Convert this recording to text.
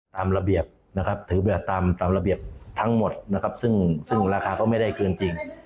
ตามระเบียบนะครับถือแบบตามระเบียบทั้งหมดนะครับซึ่งราคาก็ไม่ได้เกินจริง